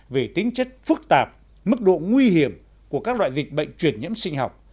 về tính chất phức tạp mức độ nguy hiểm của các loại dịch bệnh truyền nhiễm sinh học